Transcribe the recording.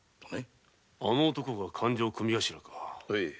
あの男が勘定組頭か？